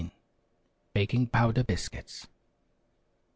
"] NO. 17. BAKING POWDER BISCUITS.